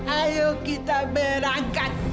ayuh kita berangkat